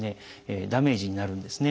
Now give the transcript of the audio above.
ダメージになるんですね。